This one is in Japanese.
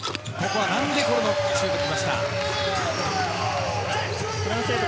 ここはナンド・デ・コロのシュートがきました。